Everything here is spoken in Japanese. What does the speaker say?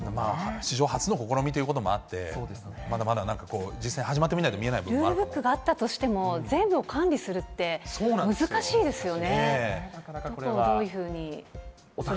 史上初の試みということもあって、まだまだなんかこう、実戦、始まってみないと分からないプランもルールブックがあったとしても、全部を管理するって難しいですよね。